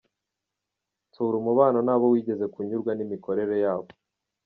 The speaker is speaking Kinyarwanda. Tsura umubano n’abo wigeze kunyurwa n’imikorere yabo.